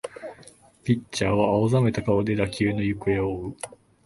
ピッチャーは青ざめた顔で打球の行方を追う